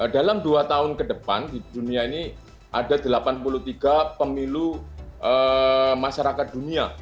dalam dua tahun ke depan di dunia ini ada delapan puluh tiga pemilu masyarakat dunia